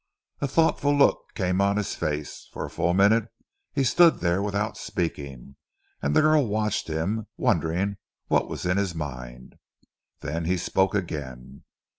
A thoughtful look came on his face. For a full minute he stood there without speaking, and the girl watched him, wondering what was in his mind. Then he spoke again.